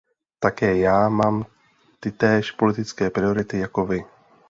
Také já mám tytéž politické priority jako vy.